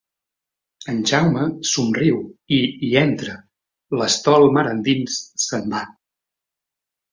En Jaume somriu i hi entra; l’estol mar endins se'n va.